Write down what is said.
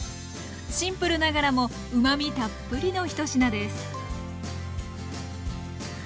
シンプルながらもうまみたっぷりの１品です